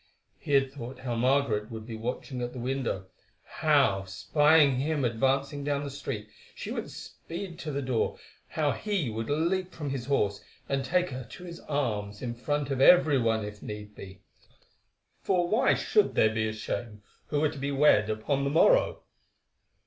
He had thought how Margaret would be watching at the window, how, spying him advancing down the street, she would speed to the door, how he would leap from his horse and take her to his arms in front of every one if need be—for why should they be ashamed who were to be wed upon the morrow?